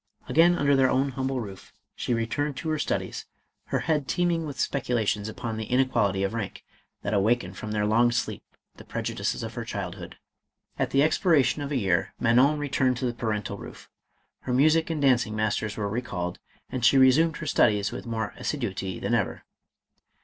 Again under their own humble roof, she returned to her studies, her head teeming with specu • lations upon the inequality of rank, that awakened from their long sleep the prejudices of her childhood. At the expiration of a year Manon returned to the parental roof. Her music and dancing masters were recalled, and she resumed her studies with more assi duity than ever.